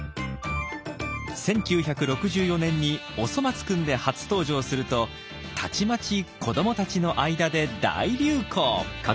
１９６４年に「おそ松くん」で初登場するとたちまち子どもたちの間で大流行。